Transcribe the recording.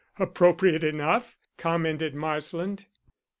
'" "Appropriate enough," commented Marsland.